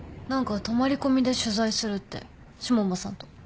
何か泊まり込みで取材するって下馬さんと。